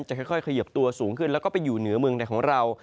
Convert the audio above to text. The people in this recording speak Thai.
ค่อยเขยิบตัวสูงขึ้นแล้วก็ไปอยู่เหนือเมืองใดของเรา